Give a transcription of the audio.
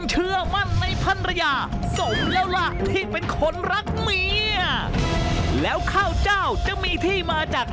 เหลือเจ้านายกับเจ้าเบาเจ้าสาว